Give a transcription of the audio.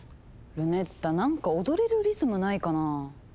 ルネッタ何か踊れるリズムないかなぁ？